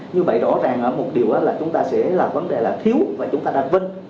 như vậy rõ ràng ở một điều là chúng ta sẽ là vấn đề là thiếu và chúng ta đặt vinh